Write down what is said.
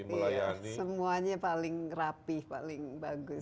tapi semuanya paling rapih paling bagus